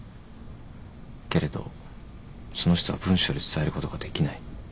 けれどその人は文章で伝えることができない。